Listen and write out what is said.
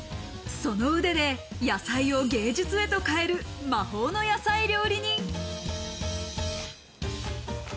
その腕で野菜を芸術へと変える、魔法の野菜料理人。